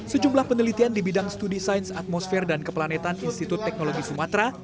sejumlah penelitian di bidang studi sains atmosfer dan keplanetan institut teknologi sumatera